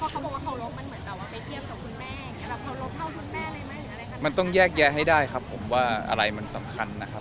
คุณแม่มันต้องแยกแยะให้ได้ครับผมว่าอะไรมันสำคัญนะครับ